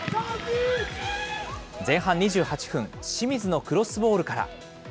前半２８分、清水のクロスボールから。